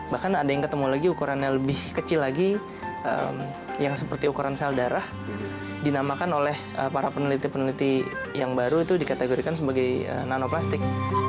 bahkan ada yang ketemu lagi ukurannya lebih kecil lagi yang seperti ukuran sel darah dinamakan oleh para peneliti peneliti yang baru itu dikategorikan sebagai nanoplastik